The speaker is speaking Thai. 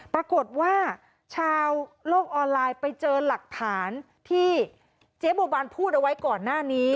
ปรากฏว่าชาวโลกออนไลน์ไปเจอหลักฐานที่เจ๊บัวบานพูดเอาไว้ก่อนหน้านี้